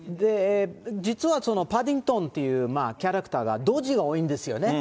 実はパディントンっていうキャラクターは、ドジが多いんですよね。